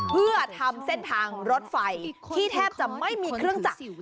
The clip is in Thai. เพื่อทำเส้นทางรถไฟที่แทบจะไม่มีเครื่องจักร